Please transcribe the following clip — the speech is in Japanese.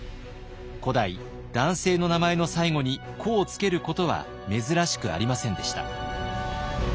古代男性の名前の最後に「子」を付けることは珍しくありませんでした。